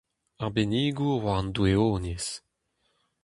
Arbennigour war an doueoniezh.